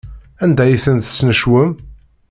Anda ay ten-tesnecwem?